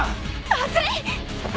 まずい！